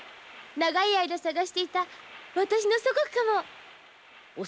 長い間探していた私の祖国かも。